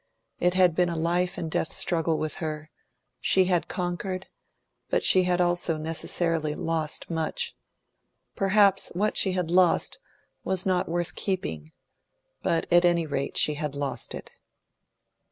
It had been a life and death struggle with her; she had conquered, but she had also necessarily lost much. Perhaps what she had lost was not worth keeping; but at any rate she had lost it.